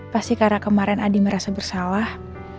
pasti karena kemarin adi merasa bersalah